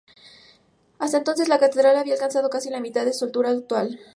Hasta entonces, la catedral había alcanzado casi la mitad de su altura actual.